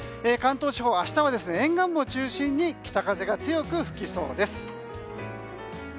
関東地方は明日は沿岸部を中心に北風が強く吹きそうです。